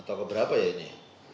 atau keberapa ya ini